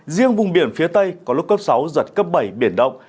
riêng vùng biển phía tây có lúc cấp sáu giật cấp bảy biển động